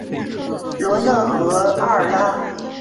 罗讷河畔阿尔拉。